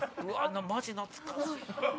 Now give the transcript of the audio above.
マジ懐かしいな。